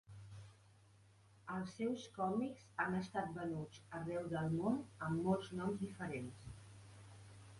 Els seus còmics han estat venuts arreu del món amb molts noms diferents.